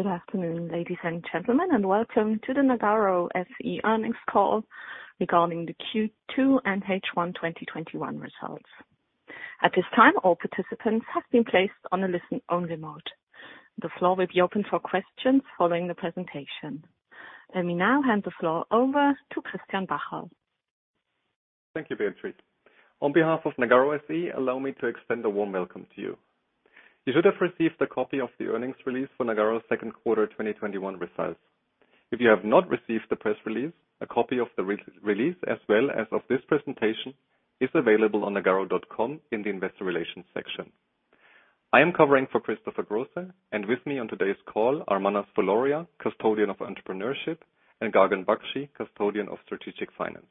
Good afternoon, ladies and gentlemen, and welcome to the Nagarro SE earnings call regarding the Q2 and H1 2021 results. At this time, all participants have been placed on a listen-only mode. The floor will be open for questions following the presentation. Let me now hand the floor over to Christian Bacherl. Thank you, Beatrice. On behalf of Nagarro SE, allow me to extend a warm welcome to you. You should have received a copy of the earnings release for Nagarro's Q2 2021 results. If you have not received the press release, a copy of the re-release as well as of this presentation is available on nagarro.com in the investor relations section. I am covering for Christopher Große, and with me on today's call are Manas Fuloria, Custodian of Entrepreneurship in the Organization, and Gagan Bakshi, Custodian of Strategic Finance.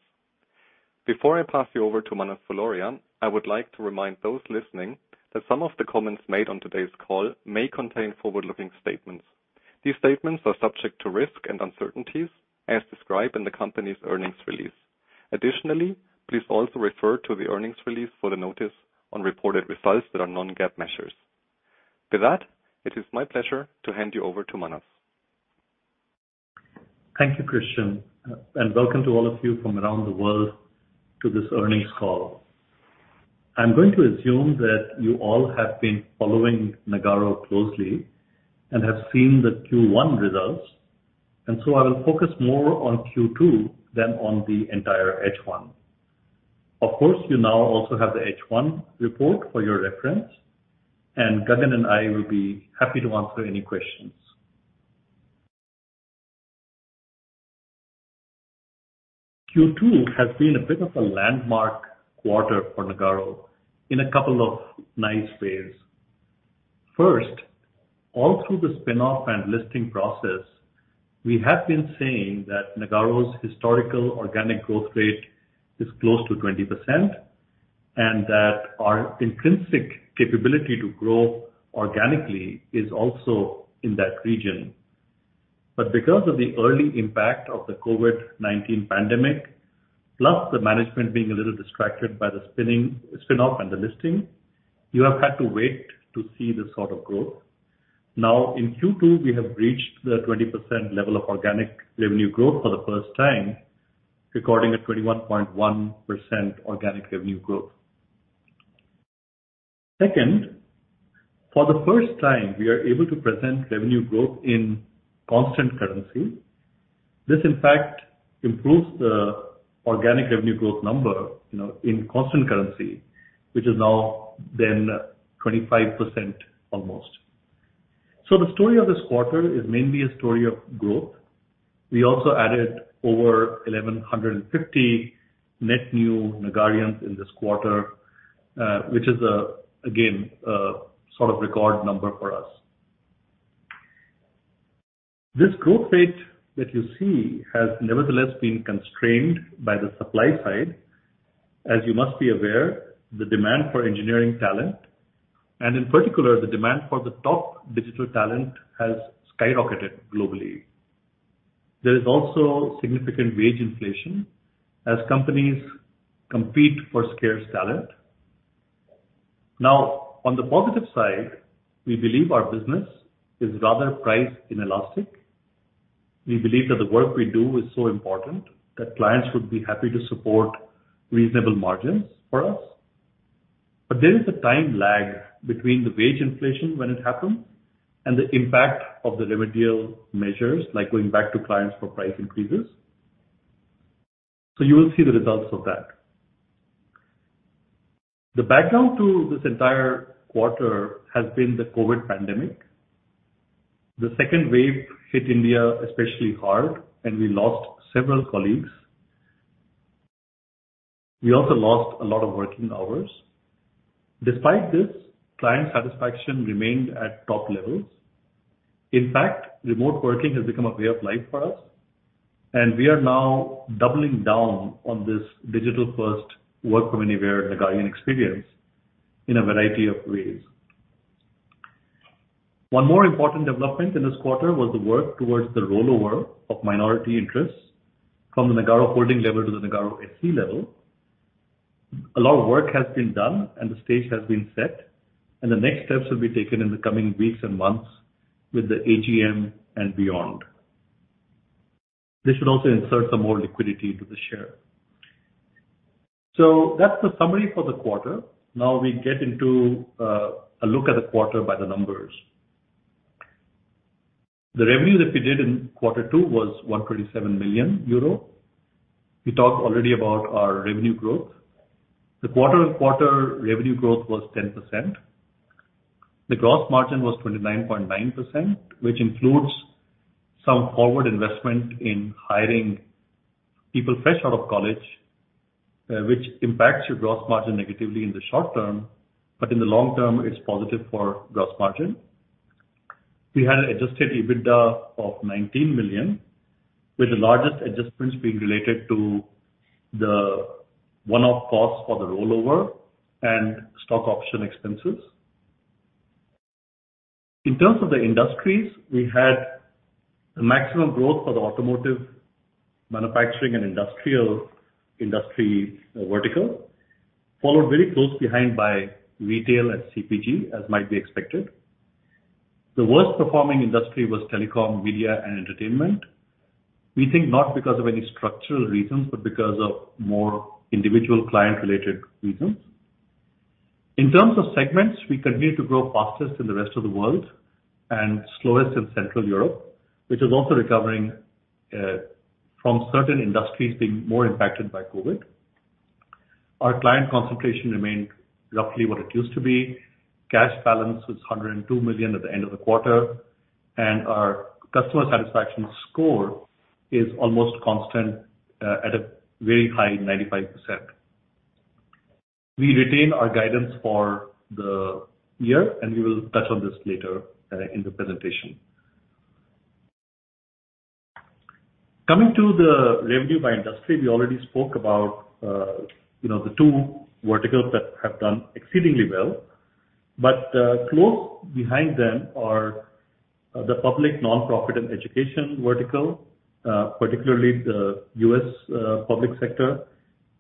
Before I pass you over to Manas Fuloria, I would like to remind those listening that some of the comments made on today's call may contain forward-looking statements. These statements are subject to risks and uncertainties as described in the company's earnings release. Additionally, please also refer to the earnings release for the notice on reported results that are non-GAAP measures. With that, it is my pleasure to hand you over to Manas. Thank you, Christian, and welcome to all of you from around the world to this earnings call. I'm going to assume that you all have been following Nagarro closely and have seen the Q1 results, I will focus more on Q2 than on the entire H1. Of course, you now also have the H1 report for your reference, Gagan and I will be happy to answer any questions. Q2 has been a bit of a landmark quarter for Nagarro in a couple of nice ways. First, all through the spin-off and listing process, we have been saying that Nagarro's historical organic growth rate is close to 20% and that our intrinsic capability to grow organically is also in that region. Because of the early impact of the COVID-19 pandemic, plus the management being a little distracted by the spin-off and the listing, you have had to wait to see this sort of growth. Now, in Q2, we have reached the 20% level of organic revenue growth for the first time, recording a 21.1% organic revenue growth. Second, for the first time, we are able to present revenue growth in constant currency. This, in fact, improves the organic revenue growth number, you know, in constant currency, which is now then 25% almost. The story of this quarter is mainly a story of growth. We also added over 1,150 net new Nagarians in this quarter, which is again, a sort of record number for us. This growth rate that you see has nevertheless been constrained by the supply side. As you must be aware, the demand for engineering talent, and in particular, the demand for the top digital talent has skyrocketed globally. There is also significant wage inflation as companies compete for scarce talent. On the positive side, we believe our business is rather price inelastic. We believe that the work we do is so important that clients should be happy to support reasonable margins for us. There is a time lag between the wage inflation when it happens and the impact of the remedial measures, like going back to clients for price increases. You will see the results of that. The background to this entire quarter has been the COVID-19 pandemic. The second wave hit India especially hard, and we lost several colleagues. We also lost a lot of working hours. Despite this, client satisfaction remained at top levels. In fact, remote working has become a way of life for us, and we are now doubling down on this digital-first work-from-anywhere Nagarian experience in a variety of ways. One more important development in this quarter was the work towards the rollover of minority interests from the Nagarro Holding level to the Nagarro SE level. A lot of work has been done and the stage has been set, and the next steps will be taken in the coming weeks and months with the AGM and beyond. This should also insert some more liquidity to the share. That's the summary for the quarter. We get into a look at the quarter by the numbers. The revenue that we did in quarter two was 127 million euro. We talked already about our revenue growth. The quarter-over-quarter revenue growth was 10%. The gross margin was 29.9%, which includes some forward investment in hiring people fresh out of college, which impacts your gross margin negatively in the short term, but in the long term it's positive for gross margin. We had adjusted EBITDA of 19 million, with the largest adjustments being related to the one-off costs for the rollover and stock option expenses. In terms of the industries, we had the maximum growth for the automotive, manufacturing and industrial industry vertical. Followed very close behind by retail and CPG, as might be expected. The worst performing industry was telecom, media, and entertainment. We think not because of any structural reasons, but because of more individual client-related reasons. In terms of segments, we continue to grow fastest in the rest of the world and slowest in Central Europe, which is also recovering from certain industries being more impacted by COVID-19. Our client concentration remained roughly what it used to be. Cash balance was 102 million at the end of the quarter, and our customer satisfaction score is almost constant at a very high 95%. We retain our guidance for the year, and we will touch on this later in the presentation. Coming to the revenue by industry, we already spoke about, you know, the two verticals that have done exceedingly well. Close behind them are the public, nonprofit, and education vertical, particularly the U.S. public sector,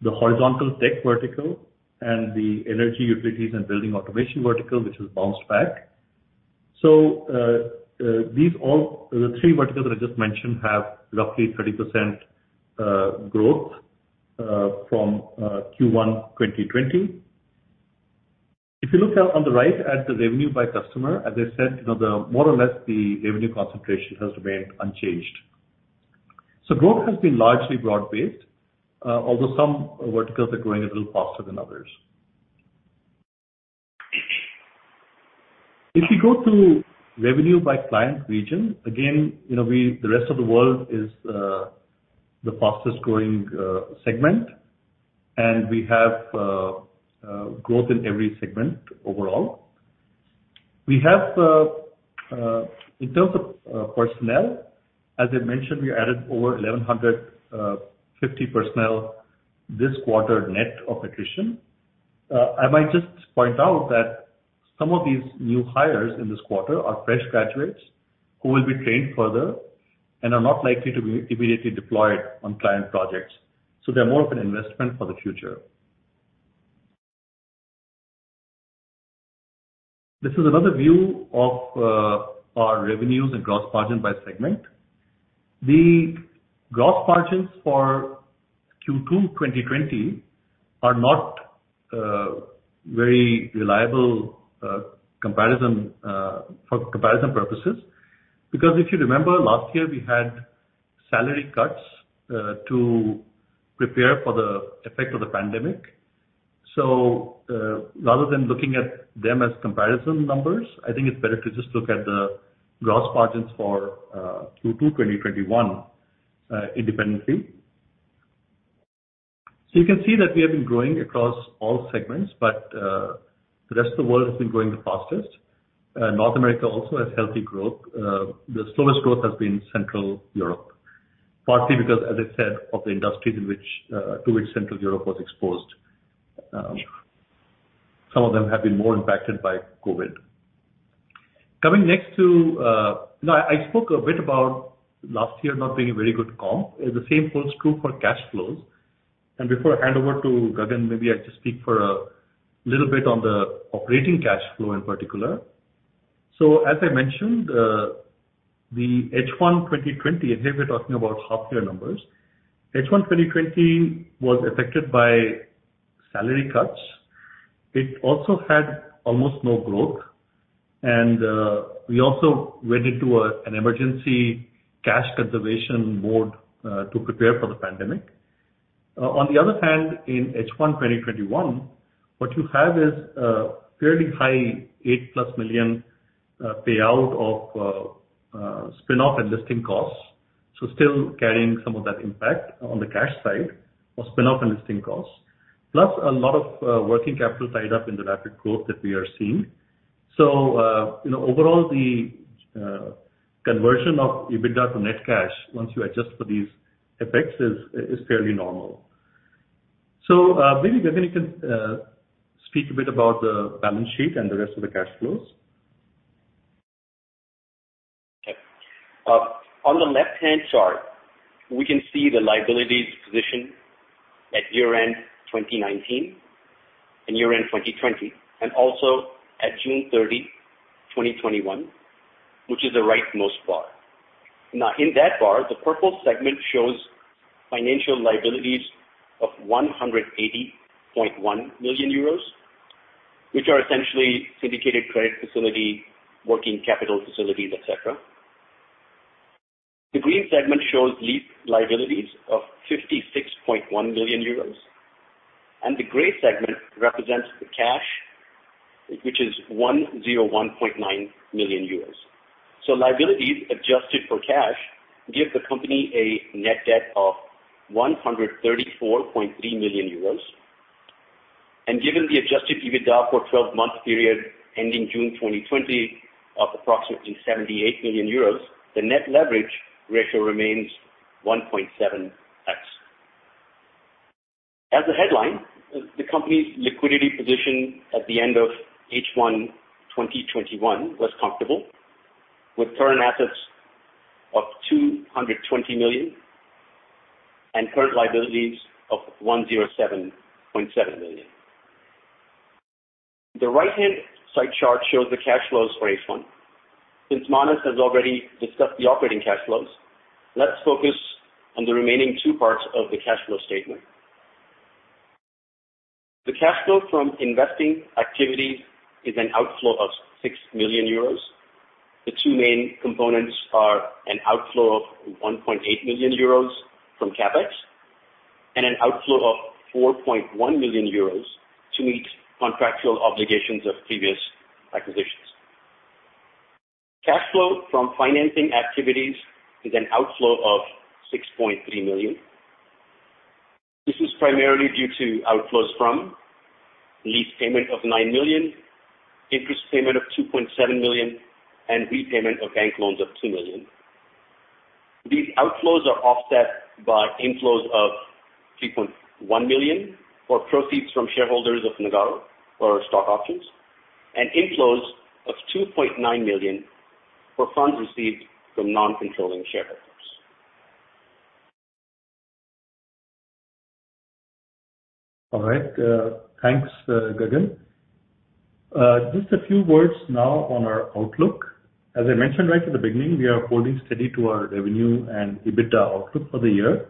the horizontal tech vertical, and the energy utilities and building automation vertical, which has bounced back. The three verticals that I just mentioned have roughly 30% growth from Q1 2020. If you look out on the right at the revenue by customer, as I said, you know, the more or less the revenue concentration has remained unchanged. Growth has been largely broad-based, although some verticals are growing a little faster than others. If you go to revenue by client region, again, you know, the rest of the world is the fastest-growing segment, and we have growth in every segment overall. We have in terms of personnel, as I mentioned, we added over 1,150 personnel this quarter, net of attrition. I might just point out that some of these new hires in this quarter are fresh graduates who will be trained further and are not likely to be immediately deployed on client projects. They're more of an investment for the future. This is another view of our revenues and gross margin by segment. The gross margins for Q2 2020 are not very reliable comparison for comparison purposes. Because if you remember last year, we had salary cuts to prepare for the effect of the pandemic. Rather than looking at them as comparison numbers, I think it's better to just look at the gross margins for Q2 2021 independently. You can see that we have been growing across all segments, but the rest of the world has been growing the fastest. North America also has healthy growth. The slowest growth has been Central Europe, partly because, as I said, of the industries in which to which Central Europe was exposed. Some of them have been more impacted by COVID. Coming next to Now, I spoke a bit about last year not being a very good comp. The same holds true for cash flows. Before I hand over to Gagan, maybe I just speak for a little bit on the operating cash flow in particular. As I mentioned, the H1 2020, and here we're talking about half year numbers. H1 2020 was affected by salary cuts. It also had almost no growth, and we also went into an emergency cash conservation mode to prepare for the pandemic. On the other hand, in H1 2021, what you have is a fairly high 8+ million payout of spin-off and listing costs. Still carrying some of that impact on the cash side of spin-off and listing costs. Plus a lot of working capital tied up in the rapid growth that we are seeing. You know, overall, the conversion of EBITDA for net cash, once you adjust for these effects, is fairly normal. Maybe, Gagan, you can speak a bit about the balance sheet and the rest of the cash flows. Okay. On the left-hand chart, we can see the liabilities position at year-end 2019 and year-end 2020, and also at June 30, 2021, which is the rightmost bar. Now in that bar, the purple segment shows financial liabilities of 180.1 million euros, which are essentially syndicated credit facility, working capital facilities, et cetera. The green segment shows lease liabilities of 56.1 million euros, and the gray segment represents the cash, which is 101.9 million euros. Liabilities adjusted for cash give the company a net debt of 134.3 million euros. Given the adjusted EBITDA for 12-month period ending June 2020 of approximately 78 million euros, the net leverage ratio remains 1.7x. As a headline, the company's liquidity position at the end of H1 2021 was comfortable, with current assets of 220 million and current liabilities of 107.7 million. The right-hand side chart shows the cash flows for H1. Since Manas has already discussed the operating cash flows, let's focus on the remaining two parts of the cash flow statement. The cash flow from investing activities is an outflow of 6 million euros. The two main components are an outflow of 1.8 million euros from CapEx and an outflow of 4.1 million euros to meet contractual obligations of previous acquisitions. Cash flow from financing activities is an outflow of 6.3 million. This is primarily due to outflows from lease payment of 9 million, interest payment of 2.7 million, and repayment of bank loans of 2 million. These outflows are offset by inflows of 3.1 million for proceeds from shareholders of Nagarro or stock options, and inflows of 2.9 million for funds received from non-controlling shareholders. All right, thanks, Gagan. Just a few words now on our outlook. As I mentioned right at the beginning, we are holding steady to our revenue and EBITDA outlook for the year,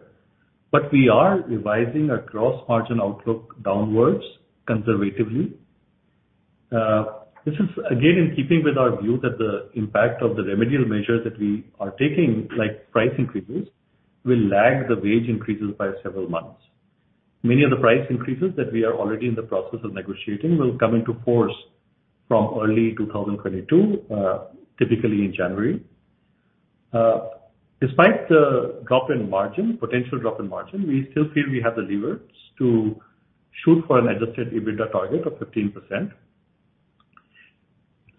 but we are revising our gross margin outlook downwards conservatively. This is again in keeping with our view that the impact of the remedial measures that we are taking, like price increases, will lag the wage increases by several months. Many of the price increases that we are already in the process of negotiating will come into force from early 2022, typically in January. Despite the drop in margin, potential drop in margin, we still feel we have the levers to shoot for an adjusted EBITDA target of 15%.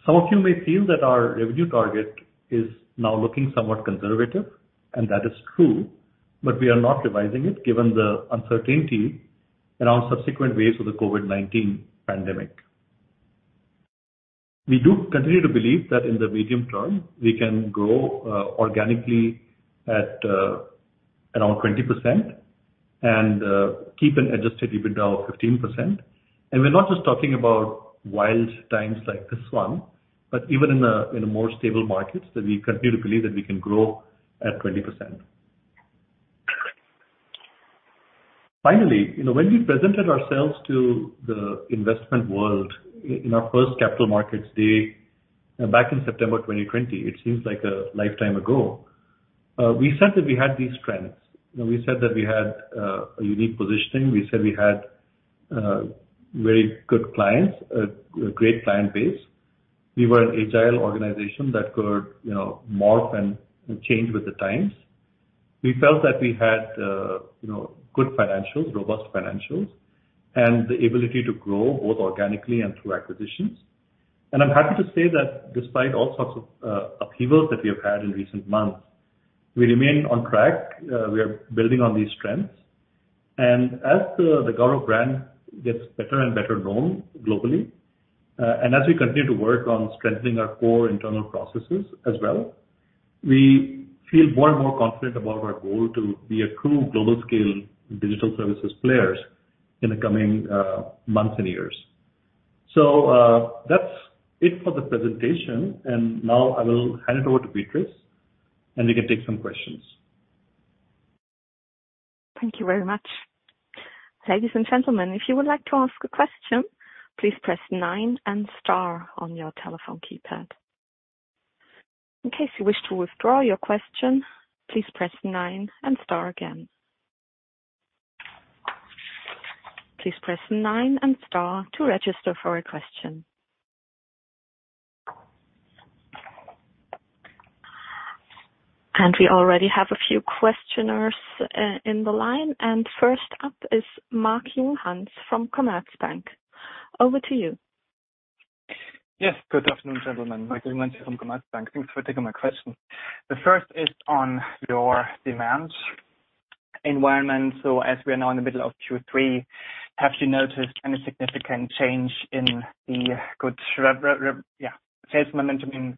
Some of you may feel that our revenue target is now looking somewhat conservative. That is true, but we are not revising it given the uncertainty around subsequent waves of the COVID-19 pandemic. We do continue to believe that in the medium term, we can grow organically at around 20% and keep an adjusted EBITDA of 15%. We're not just talking about wild times like this one, but even in a more stable markets that we continue to believe that we can grow at 20%. Finally, you know, when we presented ourselves to the investment world in our first capital markets day, back in September 2020, it seems like a lifetime ago. We said that we had these strengths. You know, we said that we had a unique positioning. We said we had very good clients, a great client base. We were an agile organization that could, you know, morph and change with the times. We felt that we had, you know, good financials, robust financials, and the ability to grow both organically and through acquisitions. I'm happy to say that despite all sorts of upheavals that we have had in recent months, we remain on track. We are building on these strengths. As the Nagarro brand gets better and better known globally, and as we continue to work on strengthening our core internal processes as well, we feel more and more confident about our goal to be a true global scale digital services players in the coming months and years. That's it for the presentation. Now I will hand it over to Beatrice, and we can take some questions. Thank you very much. Ladies and gentlemen, if you would like to ask a question, please press nine and star on your telephone keypad. In case you wish to withdraw your question, please press nine and star again. Please press nine and star to register for a question. We already have a few questioners in the line. First up is Marc Langbein from Commerzbank. Over to you. Yes. Good afternoon, gentlemen. Marc Langbein from Commerzbank. Thanks for taking my question. The first is on your demand environment. As we are now in the middle of Q3, have you noticed any significant change in the good Yeah, sales momentum in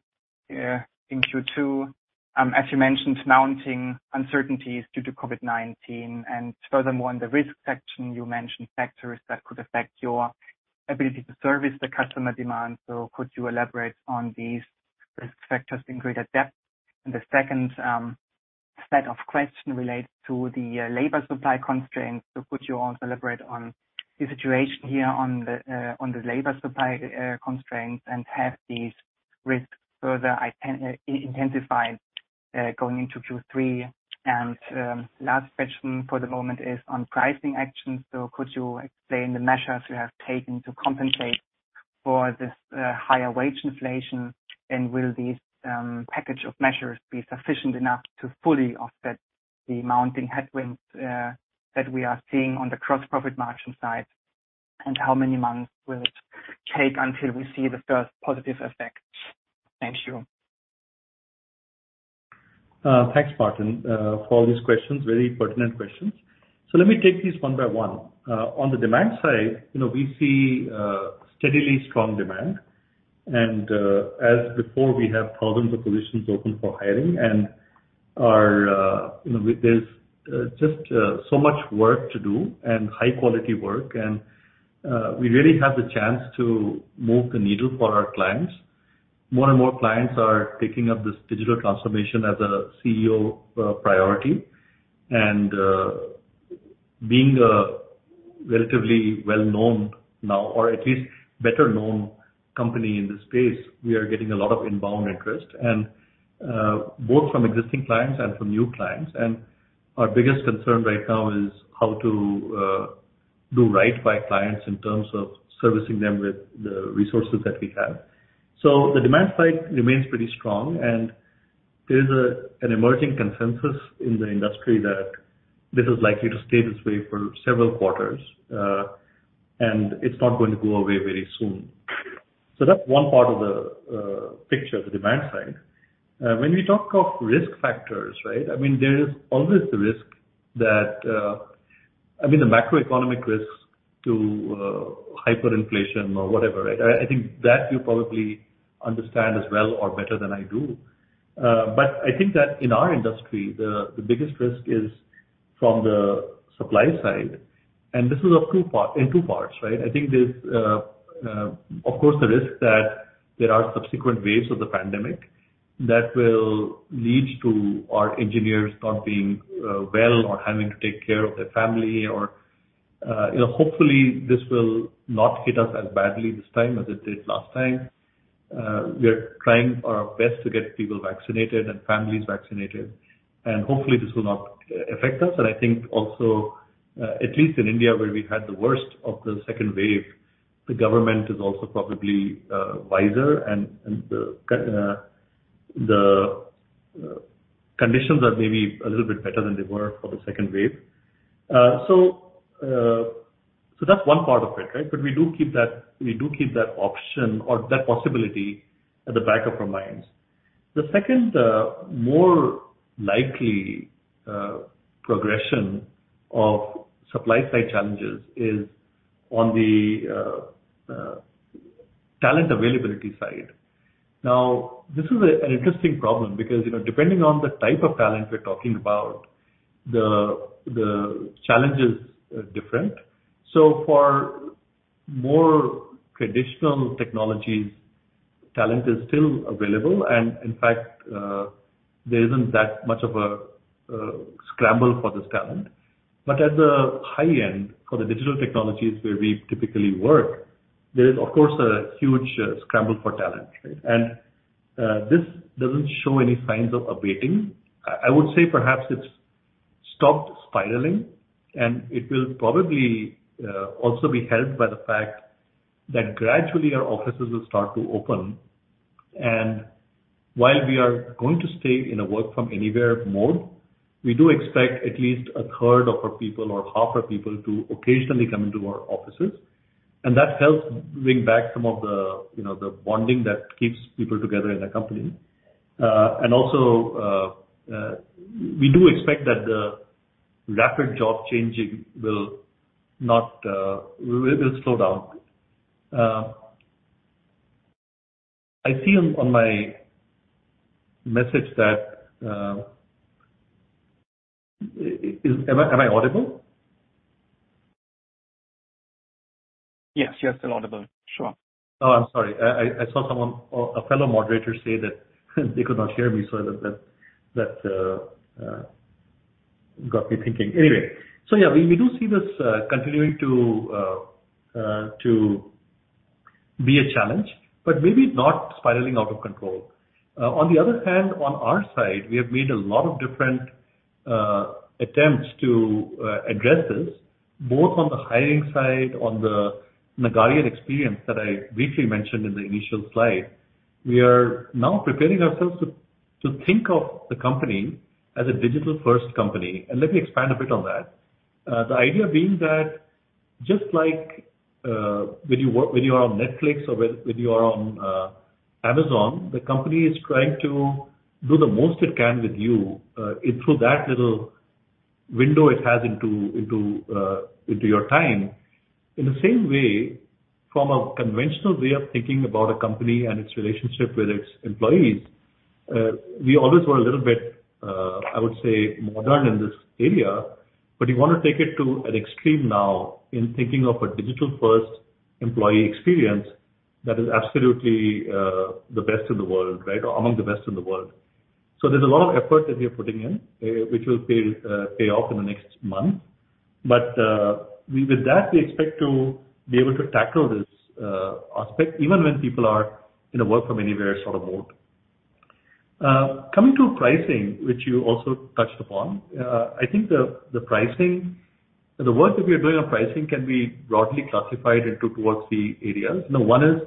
Q2? As you mentioned, mounting uncertainties due to COVID-19 and furthermore, in the risk section, you mentioned factors that could affect your ability to service the customer demand. Could you elaborate on these risk factors in greater depth? The second set of question relates to the labor supply constraints. Could you also elaborate on the situation here on the labor supply constraints and have these risks further intensified going into Q3? Last question for the moment is on pricing actions. Could you explain the measures you have taken to compensate for this higher wage inflation? Will these package of measures be sufficient enough to fully offset the mounting headwinds that we are seeing on the gross profit margin side? How many months will it take until we see the first positive effect? Thank you. Thanks, Marc, for all these questions. Very pertinent questions. Let me take these one by one. On the demand side, you know, we see steadily strong demand. As before, we have thousands of positions open for hiring and are, you know, with this, just so much work to do and high quality work and, we really have the chance to move the needle for our clients. More and more clients are taking up this digital transformation as a CEO priority. Being a relatively well-known now or at least better-known company in this space, we are getting a lot of inbound interest and both from existing clients and from new clients. Our biggest concern right now is how to do right by clients in terms of servicing them with the resources that we have. The demand side remains pretty strong, and there's an emerging consensus in the industry that this is likely to stay this way for several quarters. It's not going to go away very soon. That's one part of the picture, the demand side. When we talk of risk factors, right? I mean, there is always the risk that I mean, the macroeconomic risks to hyperinflation or whatever, right? I think that you probably understand as well or better than I do. I think that in our industry, the biggest risk is from the supply side, and this is of two parts, right? I think there's, of course, the risk that there are subsequent waves of the pandemic that will lead to our engineers not being well or having to take care of their family or, you know, hopefully this will not hit us as badly this time as it did last time. We're trying our best to get people vaccinated and families vaccinated, and hopefully this will not affect us. I think also, at least in India, where we had the worst of the second wave, the government is also probably wiser and the conditions are maybe a little bit better than they were for the second wave. That's one part of it, right? We do keep that, we do keep that option or that possibility at the back of our minds. The second, more likely, progression of supply side challenges is on the talent availability side. This is an interesting problem because, you know, depending on the type of talent we're talking about, the challenge is different. For more traditional technologies, talent is still available and in fact, there isn't that much of a scramble for this talent. At the high end for the digital technologies where we typically work, there is of course a huge scramble for talent, right? This doesn't show any signs of abating. I would say perhaps it's stopped spiraling, and it will probably also be helped by the fact that gradually our offices will start to open. While we are going to stay in a work from anywhere mode, we do expect at least a third of our people or half our people to occasionally come into our offices, and that helps bring back some of the, you know, the bonding that keeps people together in a company. Also, we do expect that the rapid job changing will not slow down. I see on my message that, am I audible? Yes. You're still audible. Sure. Oh, I'm sorry. I saw someone or a fellow moderator say that they could not hear me, so that got me thinking. Anyway. Yeah, we do see this continuing to be a challenge, but maybe not spiraling out of control. On the other hand, on our side, we have made a lot of different attempts to address this, both on the hiring side, on the Nagarro experience that I briefly mentioned in the initial slide. We are now preparing ourselves to think of the company as a digital-first company. Let me expand a bit on that. The idea being that just like when you are on Netflix or when you are on Amazon, the company is trying to do the most it can with you, through that little window it has into your time. In the same way, from a conventional way of thinking about a company and its relationship with its employees, we always were a little bit, I would say modern in this area, but we wanna take it to an extreme now in thinking of a digital-first employee experience that is absolutely the best in the world, right? Or among the best in the world. There's a lot of effort that we are putting in, which will pay off in the next months. With that, we expect to be able to tackle this aspect even when people are in a work from anywhere sort of mode. Coming to pricing, which you also touched upon. I think the pricing The work that we are doing on pricing can be broadly classified into two areas. You know, one is,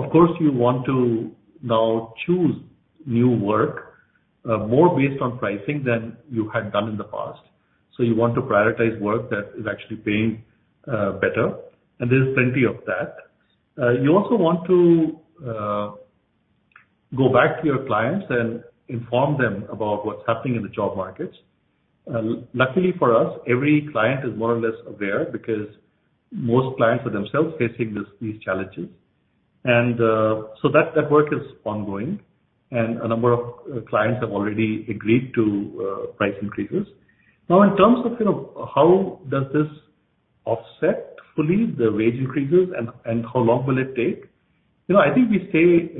of course, you want to now choose new work more based on pricing than you had done in the past. You want to prioritize work that is actually paying better, and there's plenty of that. You also want to go back to your clients and inform them about what's happening in the job markets. Luckily for us, every client is more or less aware because most clients are themselves facing this, these challenges. So that work is ongoing, and a number of clients have already agreed to price increases. Now, in terms of, you know, how does this offset fully the wage increases and how long will it take? You know, I think we stay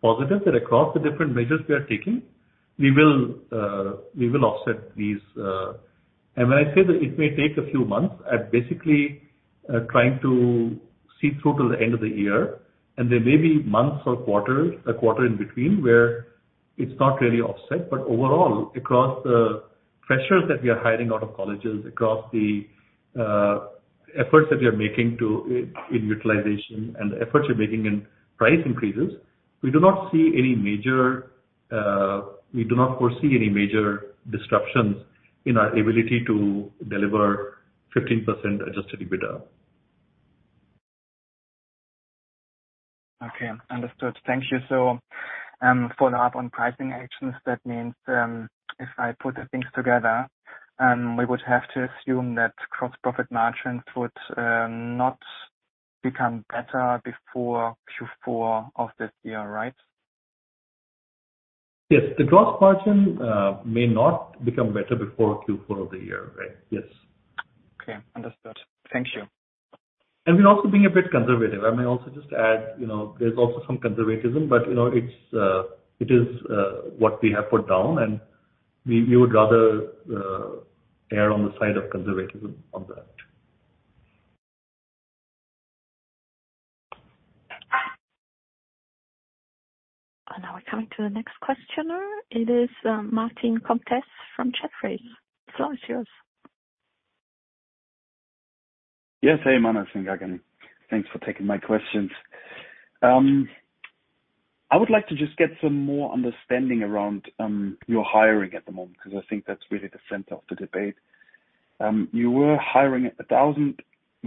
positive that across the different measures we are taking, we will offset these. When I say that it may take a few months, I'm basically trying to see through to the end of the year. There may be months or quarters, a quarter in between, where it's not really offset. Overall, across the pressures that we are hiring out of colleges, across the efforts that we are making to in utilization and the efforts we're making in price increases, we do not see any major, we do not foresee any major disruptions in our ability to deliver 15% adjusted EBITDA. Okay. Understood. Thank you. Follow up on pricing actions, that means, if I put the things together, we would have to assume that gross profit margins would not become better before Q4 of this year, right? Yes. The gross margin may not become better before Q4 of the year, right. Yes. Okay. Understood. Thank you. We're also being a bit conservative. I may also just add, you know, there's also some conservatism, but, you know, it's, it is what we have put down, and we would rather err on the side of conservatism on that. Now we're coming to the next questioner. It is Martin Comtesse from Jefferies. The floor is yours. Yes. Hey, Manas and Gagan. Thanks for taking my questions. I would like to just get some more understanding around your hiring at the moment, 'cause I think that's really the center of the debate. You were hiring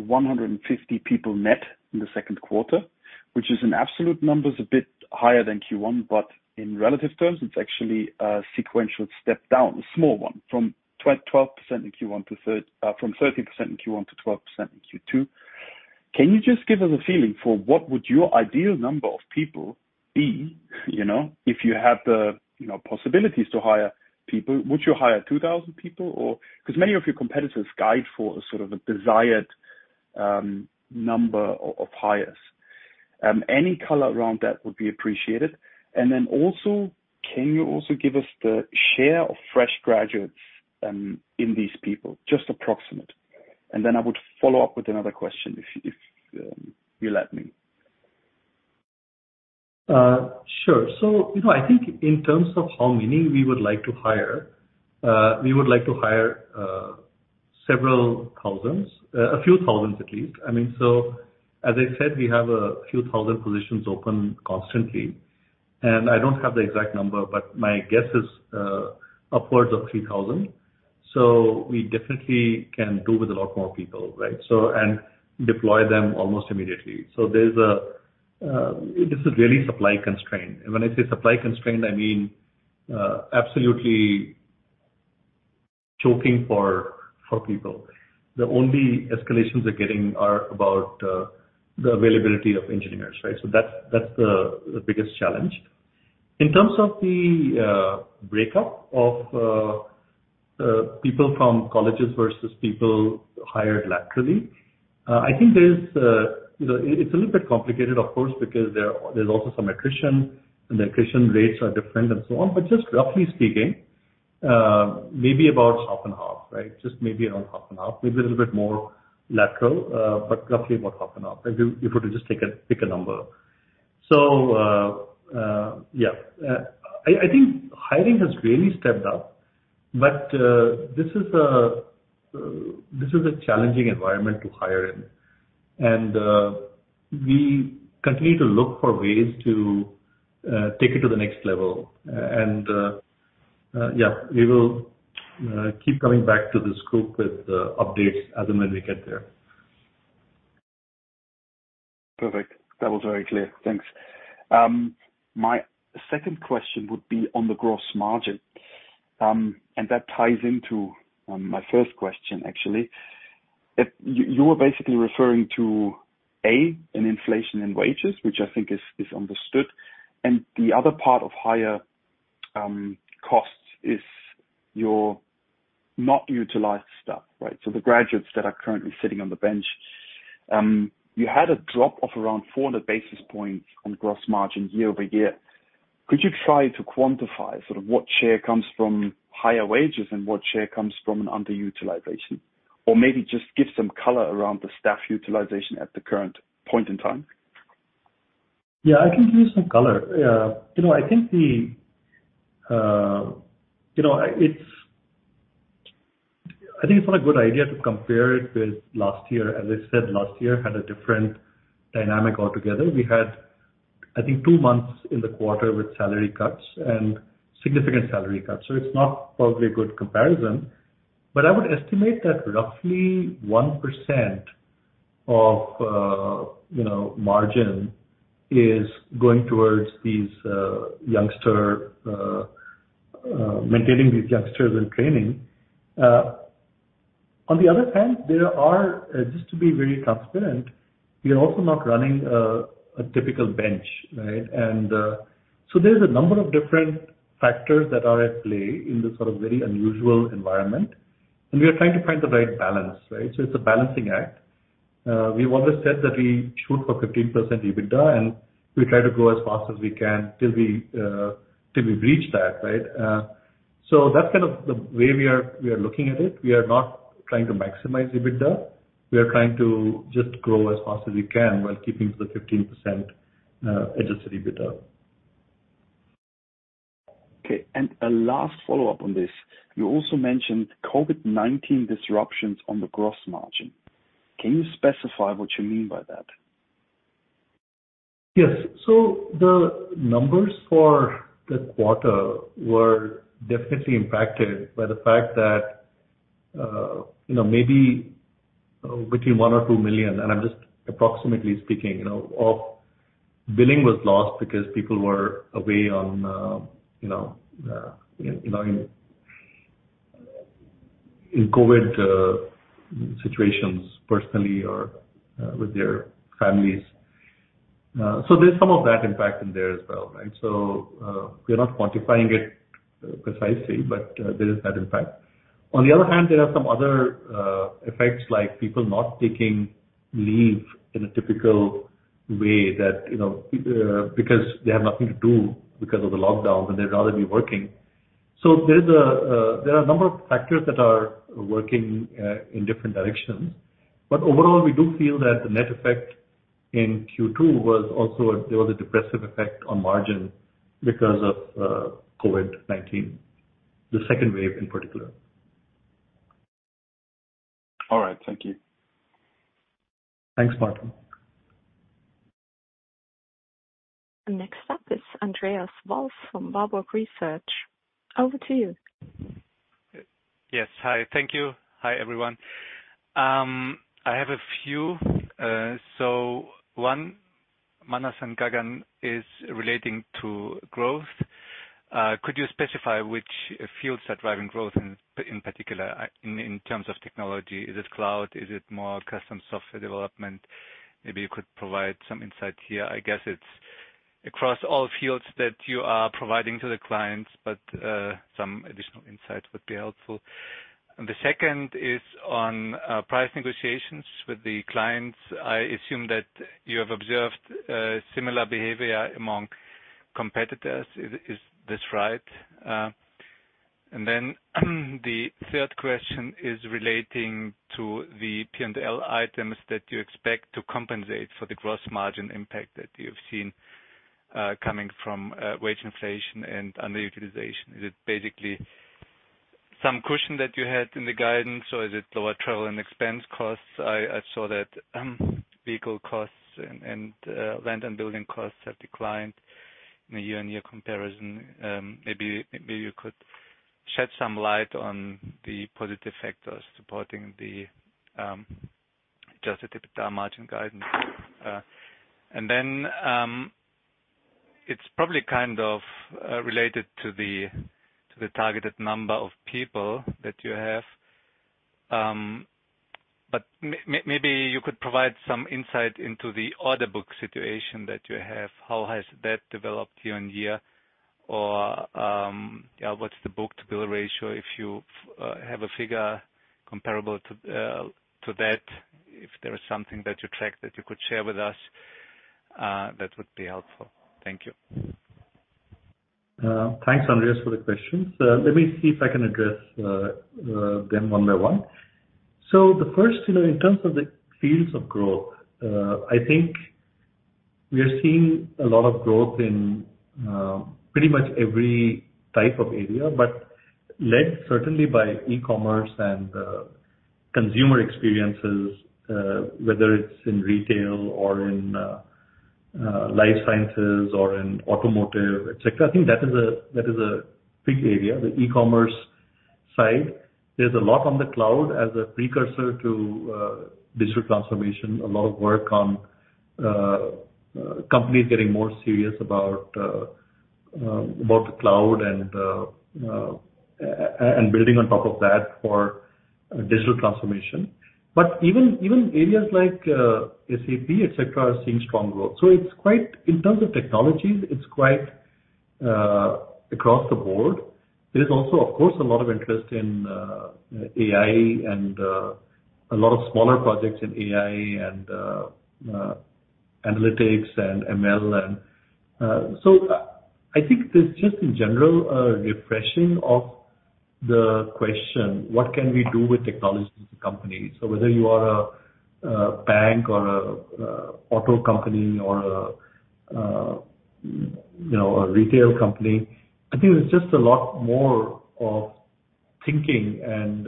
1,150 people net in the Q2, which is in absolute numbers a bit higher than Q1, but in relative terms it's actually a sequential step down, a small one, from 13% in Q1 to 12% in Q2. Can you just give us a feeling for what would your ideal number of people be, you know, if you had the, you know, possibilities to hire people? Would you hire 2,000 people or 'Cause many of your competitors guide for sort of a desired number of hires. Any color around that would be appreciated. Can you also give us the share of fresh graduates in these people? Just approximate. I would follow up with another question if you let me. Sure. You know, I think in terms of how many we would like to hire, we would like to hire several thousands. A few thousands at least. I mean as I said, we have a few thousand positions open constantly, and I don't have the exact number, but my guess is upwards of 3,000. We definitely can do with a lot more people, right? And deploy them almost immediately. This is really supply constraint. And when I say supply constraint, I mean absolutely choking for people. The only escalations we're getting are about the availability of engineers, right? That's the biggest challenge. In terms of the breakup of people from colleges versus people hired laterally, I think there's, you know, it's a little bit complicated of course, because there's also some attrition, and the attrition rates are different and so on. Just roughly speaking, maybe about half and half, right? Just maybe around half and half. Maybe a little bit more lateral, but roughly about half and half. If you were to just pick a number. Yeah. I think hiring has really stepped up, but this is a challenging environment to hire in. We continue to look for ways to take it to the next level. Yeah, we will keep coming back to this group with updates as and when we get there. Perfect. That was very clear. Thanks. My second question would be on the gross margin, and that ties into my first question actually. You were basically referring to an inflation in wages, which I think is understood, and the other part of higher costs is your not utilized staff, right? So the graduates that are currently sitting on the bench. You had a drop of around 400 basis points on gross margin year-over-year. Could you try to quantify sort of what share comes from higher wages and what share comes from an underutilization? Or maybe just give some color around the staff utilization at the current point in time. Yeah, I can give you some color. I think it's not a good idea to compare it with last year. As I said, last year had a different dynamic altogether. We had, I think, two months in the quarter with salary cuts and significant salary cuts. It's not probably a good comparison. I would estimate that roughly 1% of margin is going towards these youngsters, maintaining these youngsters and training. On the other hand, just to be very transparent, we are also not running a typical bench, right? There's a number of different factors that are at play in this sort of very unusual environment, and we are trying to find the right balance, right? It's a balancing act. We've always said that we shoot for 15% EBITDA, and we try to grow as fast as we can till we reach that, right? That's kind of the way we are looking at it. We are not trying to maximize EBITDA. We are trying to just grow as fast as we can while keeping to the 15% adjusted EBITDA. Okay, a last follow-up on this. You also mentioned COVID-19 disruptions on the gross margin. Can you specify what you mean by that? Yes. The numbers for the quarter were definitely impacted by the fact that, maybe between 1 million or 2 million, and I'm just approximately speaking, you know, of billing was lost because people were away on COVID situations personally or with their families. There's some of that impact in there as well, right? We're not quantifying it precisely, but there is that impact. On the other hand, there are some other effects like people not taking leave in a typical way that, you know, because they have nothing to do because of the lockdown, and they'd rather be working. There are a number of factors that are working in different directions. Overall, we do feel that the net effect in Q2 was also there was a depressive effect on margin because of COVID-19, the second wave in particular. All right. Thank you. Thanks, Martin. Next up is Andreas Wolf from Warburg Research. Over to you. Yes. Hi. Thank you. Hi, everyone. I have a few. One, Manas and Gagan, is relating to growth. Could you specify which fields are driving growth in particular, in terms of technology? Is it cloud? Is it more custom software development? Maybe you could provide some insight here. I guess it's across all fields that you are providing to the clients, but some additional insight would be helpful. The second is on price negotiations with the clients. I assume that you have observed similar behavior among competitors. Is this right? The third question is relating to the P&L items that you expect to compensate for the gross margin impact that you've seen coming from wage inflation and underutilization. Is it basically some cushion that you had in the guidance or is it lower travel and expense costs? I saw that vehicle costs and land and building costs have declined in a year-on-year comparison. Maybe, maybe you could shed some light on the positive factors supporting the adjusted EBITDA margin guidance. It's probably kind of related to the targeted number of people that you have. Maybe you could provide some insight into the order book situation that you have. How has that developed year-on-year or, yeah, what's the book-to-bill ratio? If you have a figure comparable to that, if there is something that you track that you could share with us, that would be helpful. Thank you. Thanks, Andreas, for the questions. Let me see if I can address them one by one. The first, you know, in terms of the fields of growth, I think we are seeing a lot of growth in pretty much every type of area, but led certainly by e-commerce and consumer experiences, whether it's in retail or in life sciences or in automotive, et cetera. I think that is a big area. The e-commerce side. There's a lot on the cloud as a precursor to digital transformation. A lot of work on companies getting more serious about the cloud and building on top of that for digital transformation. Even areas like SAP, et cetera, are seeing strong growth. It's quite In terms of technologies, it's quite across the board. There is also, of course, a lot of interest in AI and a lot of smaller projects in AI and analytics and ML. I think there's just in general a refreshing of the question: What can we do with technology as a company? Whether you are a bank or a auto company or a, you know, a retail company, I think there's just a lot more of thinking and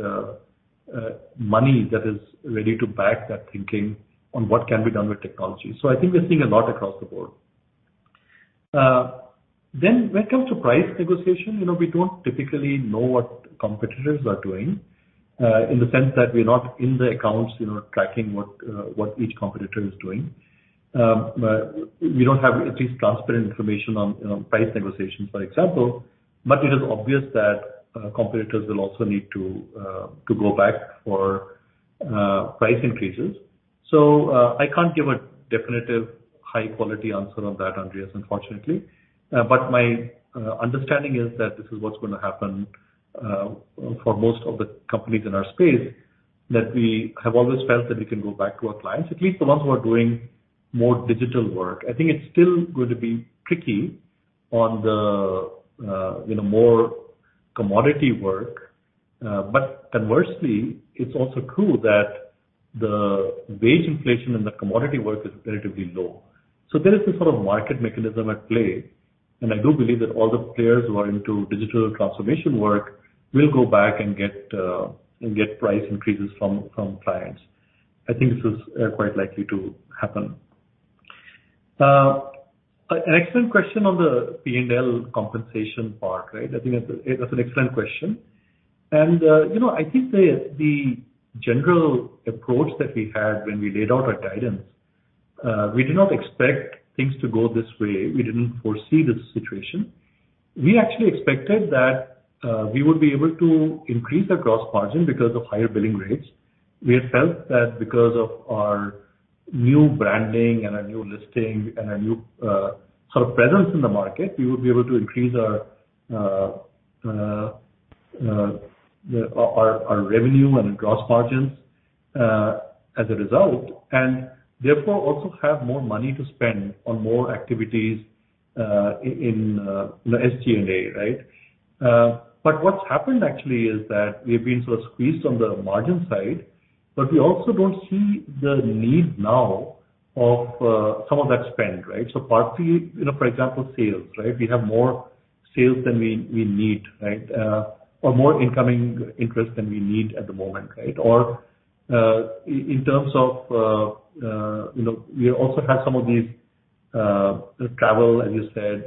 money that is ready to back that thinking on what can be done with technology. I think we're seeing a lot across the board. Then when it comes to price negotiation, you know, we don't typically know what competitors are doing, in the sense that we're not in the accounts, you know, tracking what each competitor is doing. We don't have at least transparent information on price negotiations, for example. It is obvious that competitors will also need to go back for price increases. I can't give a definitive high-quality answer on that, Andreas, unfortunately. My understanding is that this is what's gonna happen for most of the companies in our space, that we have always felt that we can go back to our clients, at least the ones who are doing more digital work. I think it's still going to be tricky on the, you know, more commodity work. Conversely, it's also true that the wage inflation in the commodity work is relatively low. There is this sort of market mechanism at play, and I do believe that all the players who are into digital transformation work will go back and get price increases from clients. I think this is quite likely to happen. An excellent question on the P&L compensation part, right? I think that's an excellent question. You know, I think the general approach that we had when we laid out our guidance, we did not expect things to go this way. We didn't foresee this situation. We actually expected that we would be able to increase our gross margin because of higher billing rates. We had felt that because of our new branding and our new listing and our new sort of presence in the market, we would be able to increase our revenue and gross margins as a result, and therefore also have more money to spend on more activities in, you know, SG&A, right? What's happened actually is that we've been sort of squeezed on the margin side, but we also don't see the need now of some of that spend, right? Partly, you know, for example, sales, right? We have more sales than we need, right? Or more incoming interest than we need at the moment, right? In terms of, you know, we also have some of these, travel, as you said,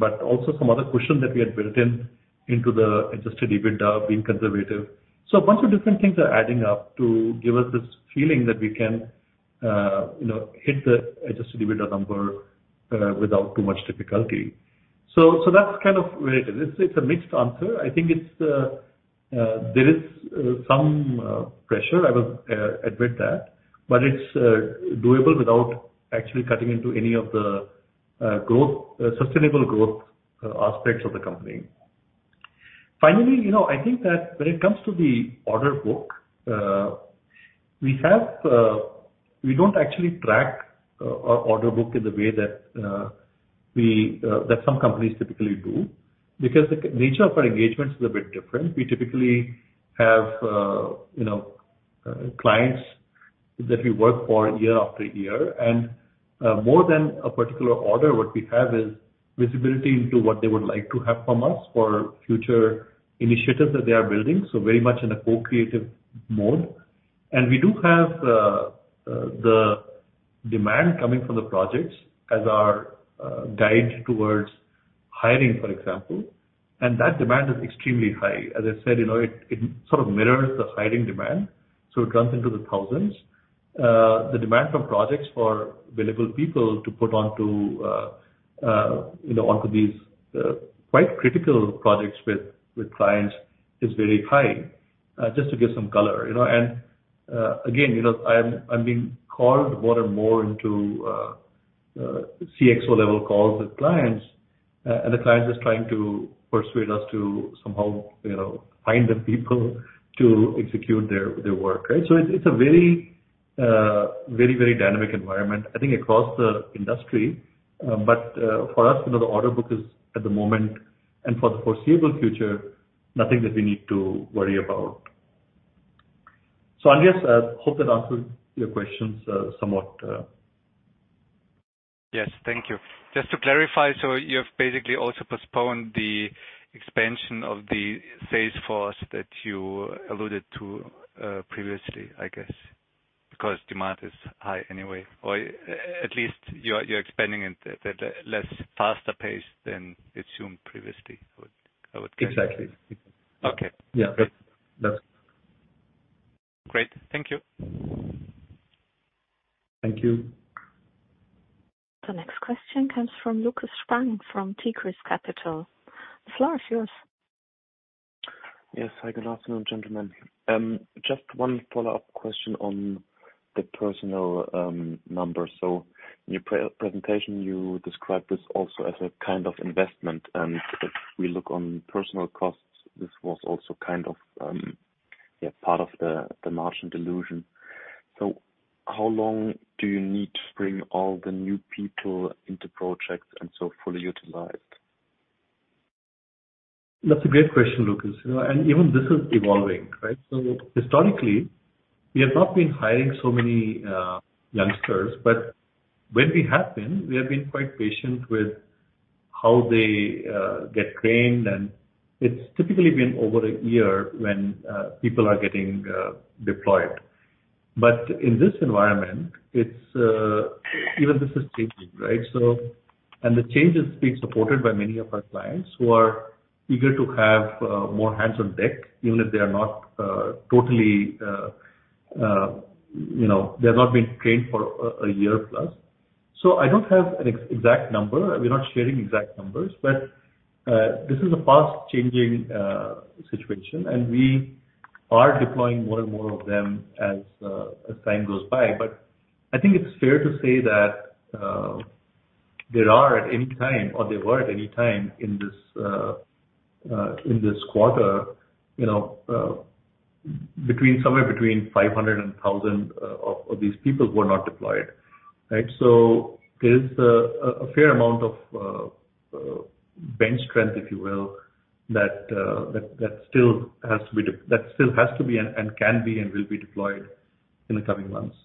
but also some other cushion that we had built in into the adjusted EBITDA being conservative. A bunch of different things are adding up to give us this feeling that we can, you know, hit the adjusted EBITDA number, without too much difficulty. That's kind of where it is. It's, it's a mixed answer. I think it's, There is, some, pressure, I will, admit that. It's, doable without actually cutting into any of the, growth, sustainable growth, aspects of the company. Finally, you know, I think that when it comes to the order book, We don't actually track our order book in the way that we that some companies typically do because the nature of our engagements is a bit different. We typically have, you know, clients that we work for year after year. More than a particular order, what we have is visibility into what they would like to have from us for future initiatives that they are building, so very much in a co-creative mode. We do have the demand coming from the projects as our guide towards hiring, for example, and that demand is extremely high. As I said, you know, it sort of mirrors the hiring demand, it runs into the thousands. The demand for projects for billable people to put onto, you know, onto these, quite critical projects with clients is very high, just to give some color, you know? Again, you know, I'm being called more and more into CXO-level calls with clients, and the client is trying to persuade us to somehow, you know, find the people to execute their work, right? It's a very, very dynamic environment, I think across the industry. For us, you know, the order book is at the moment and for the foreseeable future nothing that we need to worry about. Andreas, I hope that answered your questions somewhat. Yes. Thank you. Just to clarify, you've basically also postponed the expansion of the sales force that you alluded to previously, I guess, because demand is high anyway. At least you're expanding it at a less faster pace than assumed previously, I would guess? Exactly. Okay. Yeah. Great. Thank you. Thank you. The next question comes from Lukas Spang from Tigris Capital. The floor is yours. Yes. Hi, good afternoon, gentlemen. Just one follow-up question on the personnel, numbers. In your pre-presentation, you described this also as a kind of investment. If we look on personnel costs, this was also kind of, part of the margin dilution. How long do you need to bring all the new people into projects and so fully utilized? That's a great question, Lukas. You know, even this is evolving, right? Historically, we have not been hiring so many youngsters, but when we have been, we have been quite patient with how they get trained, and it's typically been over a year when people are getting deployed. In this environment, it's even this is changing, right? The change is being supported by many of our clients who are eager to have more hands on deck, even if they are not totally, you know, they've not been trained for a year plus. I don't have an exact number. We're not sharing exact numbers. This is a fast-changing situation, and we are deploying more and more of them as time goes by. I think it's fair to say that, there are at any time or there were at any time in this, in this quarter, you know, between, somewhere between 500 and 1,000 of these people who are not deployed, right? There's a fair amount of bench strength, if you will, that still has to be and can be and will be deployed in the coming months.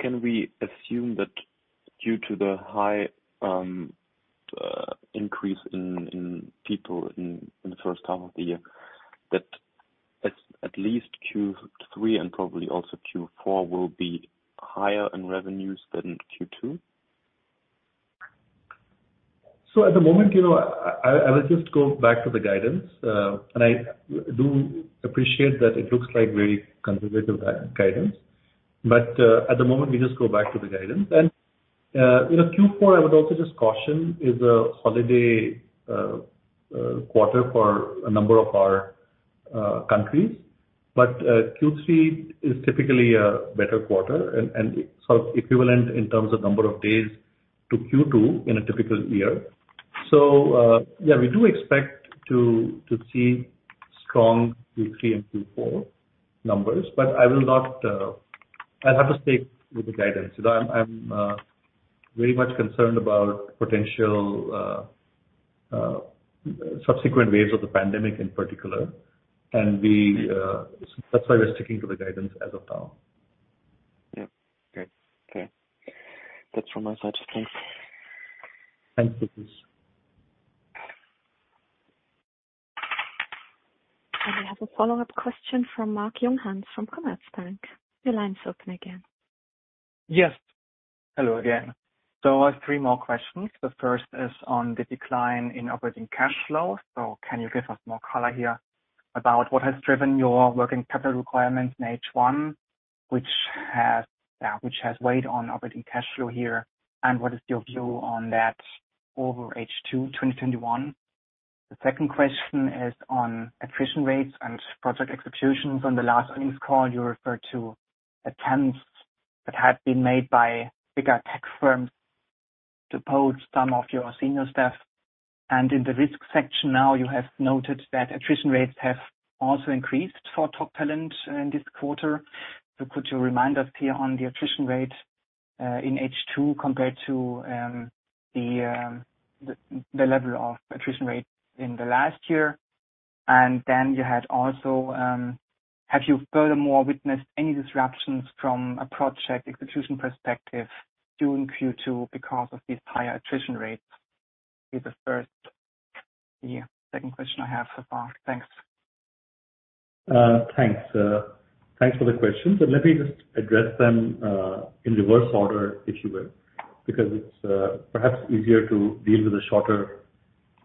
Can we assume that due to the high increase in people in the H1 of the year, that at least Q3 and probably also Q4 will be higher in revenues than Q2? At the moment, you know, I will just go back to the guidance. I do appreciate that it looks like very conservative guidance. At the moment, we just go back to the guidance. You know, Q4, I would also just caution, is a holiday quarter for a number of our countries. Q3 is typically a better quarter and sort of equivalent in terms of number of days to Q2 in a typical year. We do expect to see strong Q3 and Q4 numbers, but I will not I'll have to stay with the guidance. You know, I'm very much concerned about potential subsequent waves of the pandemic in particular. We that's why we're sticking to the guidance as of now. Yeah. Okay. Okay. That's from my side. Thanks. Thanks, Lukas. We have a follow-up question from Marc Langbein from Commerzbank. Your line's open again. Yes. Hello again. I have three more questions. The first is on the decline in operating cash flow. Can you give us more color here about what has driven your working capital requirements in H1, which has weighed on operating cash flow here, and what is your view on that over H2 2021? The second question is on attrition rates and project executions. On the last earnings call, you referred to attempts that had been made by bigger tech firms to poach some of your senior staff. In the risk section now you have noted that attrition rates have also increased for top talent in this quarter. Could you remind us here on the attrition rate in H2 compared to the level of attrition rate in the last year? You had also, have you furthermore witnessed any disruptions from a project execution perspective during Q2 because of these higher attrition rates? Be the first. Second question I have so far. Thanks. Thanks. Thanks for the questions. Let me just address them in reverse order, if you will, because it's perhaps easier to deal with the shorter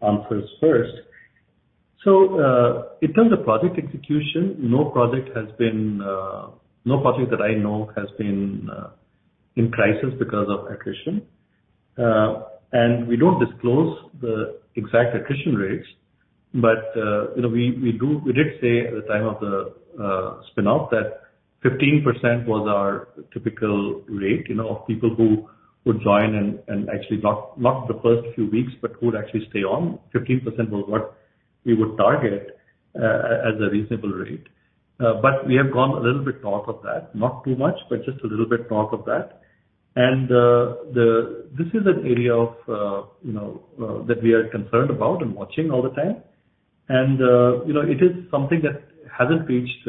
answers first. In terms of project execution, no project has been, no project that I know has been in crisis because of attrition. We don't disclose the exact attrition rates, but, you know, we did say at the time of the spin-off that 15% was our typical rate, you know, of people who would join and actually not the first few weeks, but who would actually stay on. 15% was what we would target as a reasonable rate. We have gone a little bit north of that. Not too much, but just a little bit north of that. This is an area of, you know, that we are concerned about and watching all the time. You know, it is something that hasn't reached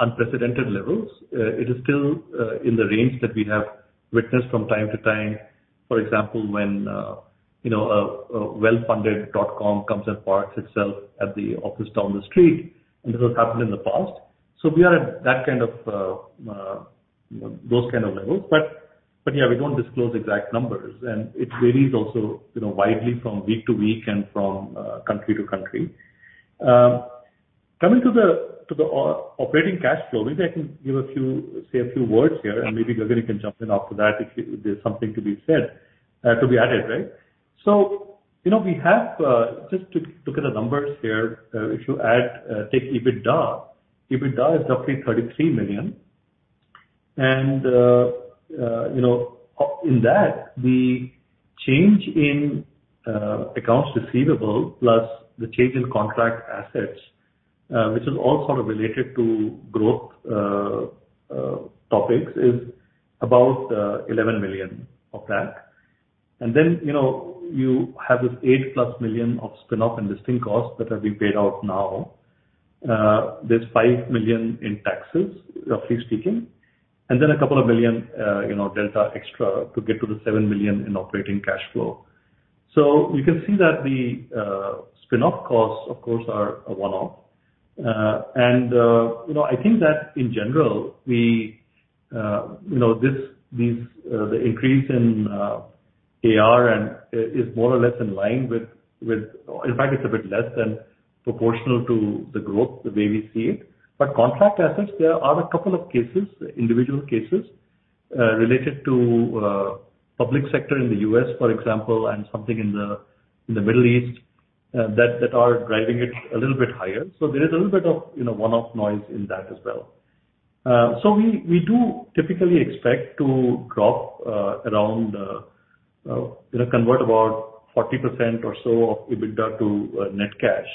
unprecedented levels. It is still in the range that we have witnessed from time to time. For example, when, you know, a well-funded dotcom comes and parks itself at the office down the street, and this has happened in the past. We are at that kind of, you know, those kind of levels. But yeah, we don't disclose exact numbers, and it varies also, you know, widely from week to week and from country to country. Coming to the operating cash flow, maybe I can say a few words here, and maybe Gagandeep can jump in after that if there's something to be said, to be added, right? You know, we have, just to look at the numbers here. If you take EBITDA. EBITDA is roughly 33 million. You know, in that the change in accounts receivable plus the change in contract assets, which is all sort of related to growth topics, is about 11 million of that. You know, you have this 8+ million of spin-off and listing costs that are being paid out now. There's 5 million in taxes, roughly speaking, and then a couple of million EUR, you know, delta extra to get to the 7 million in operating cash flow. You can see that the spin-off costs, of course, are a one-off. You know, I think that in general, we, you know, this, these, the increase in AR is more or less in line with. In fact, it's a bit less than proportional to the growth the way we see it. Contract assets, there are a couple of cases, individual cases, related to public sector in the U.S., for example, and something in the Middle East that are driving it a little bit higher. There is a little bit of, you know, one-off noise in that as well. We, we do typically expect to drop, around, you know, convert about 40% or so of EBITDA to net cash.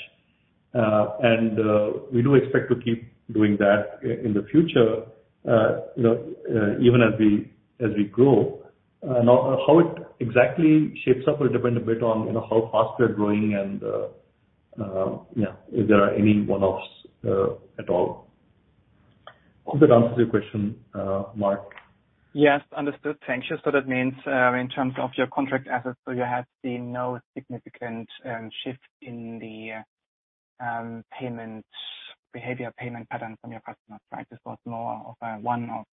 We do expect to keep doing that in the future, you know, even as we, as we grow. How it exactly shapes up will depend a bit on, you know, how fast we are growing and, yeah, if there are any one-offs at all. Hope that answers your question, Marc. Yes. Understood. Thank you. That means, in terms of your contract assets, you have seen no significant shift in the payment behavior, payment pattern from your customers, right? This was more of a one-off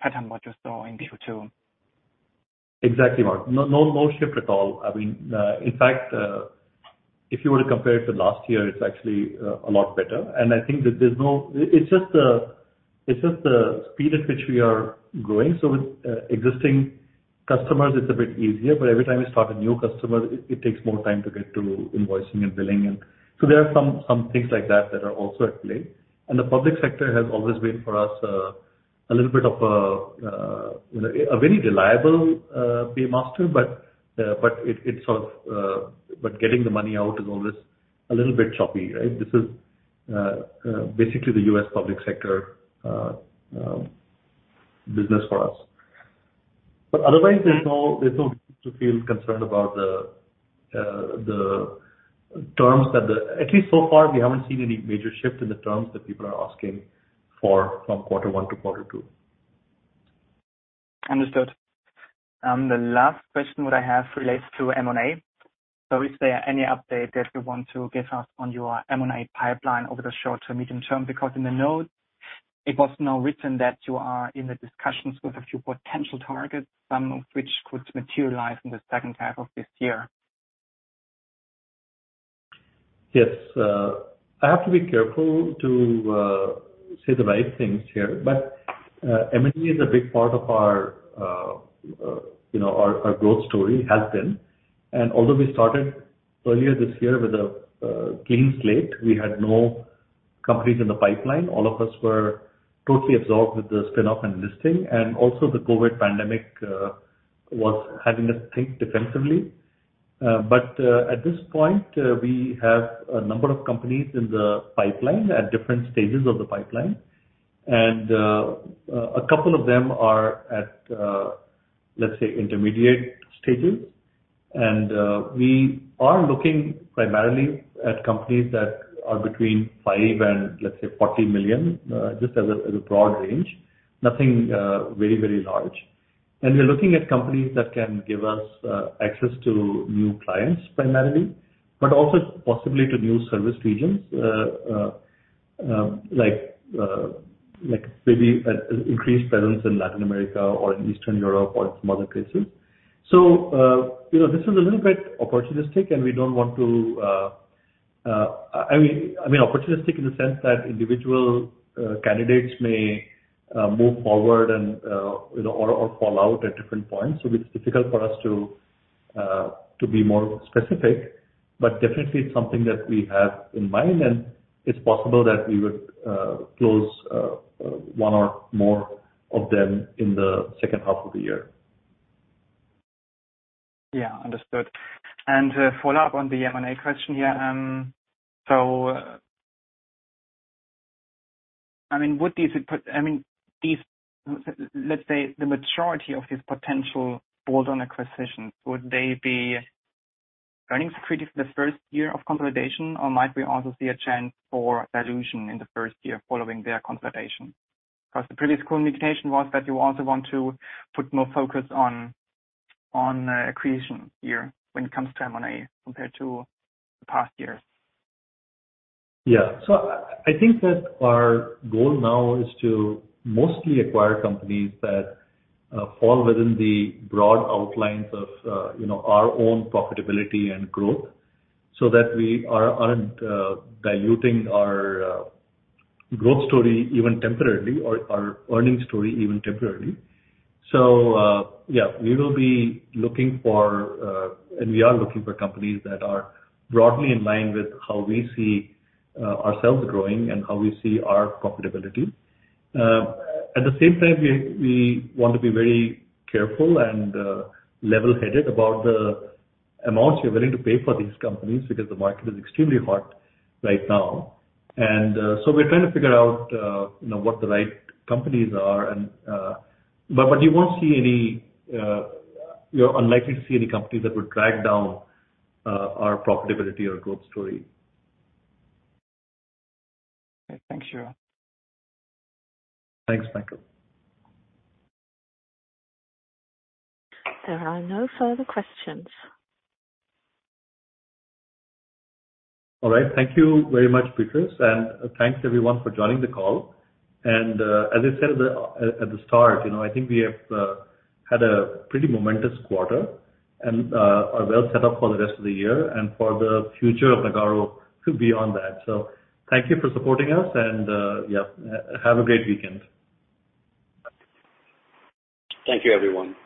pattern, what you saw in Q2. Exactly, Marc. No, no shift at all. I mean, in fact, if you were to compare it to last year, it's actually a lot better. I think that there's no. It's just the speed at which we are growing. With existing customers, it's a bit easier, but every time we start a new customer, it takes more time to get to invoicing and billing. There are some things like that that are also at play. The public sector has always been, for us, a little bit of a, you know, a very reliable paymaster. It's sort of, but getting the money out is always a little bit choppy, right? This is basically the U.S. public sector business for us. Otherwise, there's no reason to feel concerned about the terms. At least so far, we haven't seen any major shift in the terms that people are asking for from Q1 to Q2. Understood. The last question that I have relates to M&A. Is there any update that you want to give us on your M&A pipeline over the short to medium term? Because in the notes, it was now written that you are in the discussions with a few potential targets, some of which could materialize in the second half of this year. Yes. I have to be careful to say the right things here. M&A is a big part of our, you know, our growth story. Has been. Although we started earlier this year with a clean slate, we had no companies in the pipeline. All of us were totally absorbed with the spin-off and listing, and also the COVID pandemic, was having us think defensively. At this point, we have a number of companies in the pipeline at different stages of the pipeline. A couple of them are at, let's say, intermediate stages. We are looking primarily at companies that are between 5 million and let's say 40 million, just as a broad range. Nothing very, very large. We are looking at companies that can give us access to new clients primarily, but also possibly to new service regions, like maybe an increased presence in Latin America or in Eastern Europe or some other places. You know, this is a little bit opportunistic and we don't want to, I mean opportunistic in the sense that individual candidates may move forward and, you know, or fall out at different points. It's difficult for us to be more specific. Definitely it's something that we have in mind, and it's possible that we would close one or more of them in the second half of the year. Yeah. Understood. Follow-up on the M&A question here. I mean, would these I mean, these, let's say the majority of these potential bolt-on acquisitions, would they be earnings accretive for the first year of consolidation or might we also see a chance for dilution in the first year following their consolidation? Because the previous communication was that you also want to put more focus on accretion here when it comes to M&A compared to the past years. Yeah. I think that our goal now is to mostly acquire companies that fall within the broad outlines of, you know, our own profitability and growth so that we aren't diluting our growth story even temporarily or our earnings story even temporarily. Yeah, we will be looking for, and we are looking for companies that are broadly in line with how we see ourselves growing and how we see our profitability. At the same time, we want to be very careful and level-headed about the amounts we are willing to pay for these companies because the market is extremely hot right now. So we're trying to figure out, you know, what the right companies are and but you won't see any, you're unlikely to see any company that would drag down our profitability or growth story. Okay. Thanks, Shridhar. Thanks, Michael. There are no further questions. All right. Thank you very much, Petrus, and thanks everyone for joining the call. As I said at the start, you know, I think we have had a pretty momentous quarter and are well set up for the rest of the year and for the future of Nagarro to beyond that. Thank you for supporting us and, yeah, have a great weekend. Thank you, everyone.